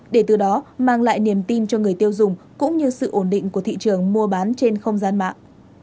để từ đó mang lại niềm tin cho người tiêu dùng cũng như sự ổn định của thị trường mua bán trên không gian mạng